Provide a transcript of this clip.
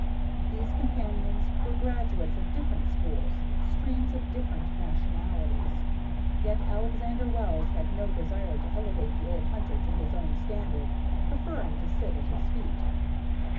These companions were graduates of different schools, extremes of different nationalities. Yet Alexander Wells had no desire to elevate the old hunter to his own standard, preferring to sit at his feet.